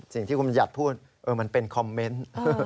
สิ่งที่คุณมันหยัดพูดเออมันเป็นคอมเม้นต์